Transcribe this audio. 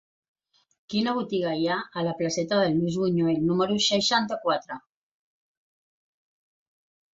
Quina botiga hi ha a la placeta de Luis Buñuel número seixanta-quatre?